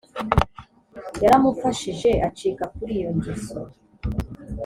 yaramufashije acika kuri iyo ngeso